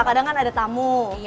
kadang kan ada tamu